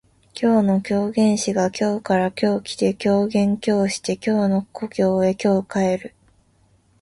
今日の狂言師が京から今日来て狂言今日して京の故郷へ今日帰る